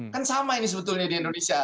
kan sama ini sebetulnya di indonesia